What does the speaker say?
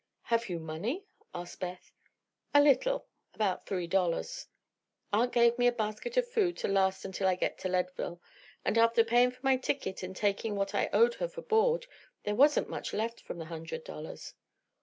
"Have you money?" asked Beth. "A little. About three dollars. Aunt gave me a basket of food to last until I get to Leadville, and after paying for my ticket and taking what I owed her for board there wasn't much left from the hundred dollars."